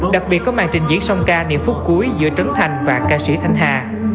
đặc biệt có màn trình diễn song ca niệm phút cuối giữa trấn thành và ca sĩ thanh hà